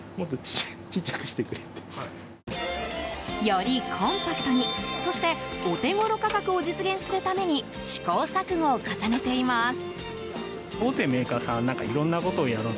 よりコンパクトに、そしてお手頃価格を実現するために試行錯誤を重ねています。